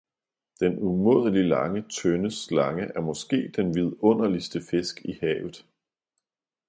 Den umådelig lange, tynde slange er måske den vidunderligste fisk i havet.